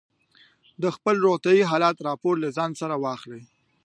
د خپل روغتیايي حالت راپور له ځان سره واخلئ.